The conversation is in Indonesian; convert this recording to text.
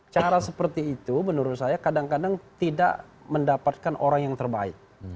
cara seperti itu menurut saya kadang kadang tidak mendapatkan orang yang terbaik